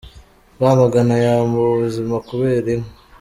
Rwamagana Yambuwe ubuzima kubera inkwi